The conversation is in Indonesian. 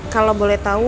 kalau boleh tahu